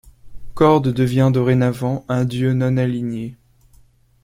Kord devient dorénavant un dieu non-aligné.